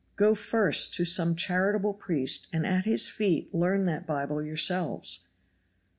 Go first to some charitable priest and at his feet learn that Bible yourselves!